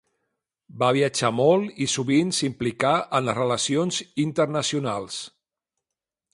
Va viatjar molt i sovint s'implicà en les relacions internacionals.